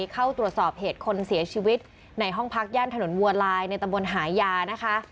เข้าตรวจสอบเหตุคนเสียชีวิตในห้องพักย่านถนนวัวลายในตำบลหายานะคะ